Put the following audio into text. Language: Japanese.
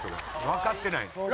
「わかってないんですよ」